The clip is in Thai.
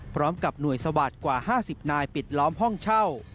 พร้อมกับหน่วยสวัสดิ์กว่า๕๐นายปิดล้อมห้องเช่า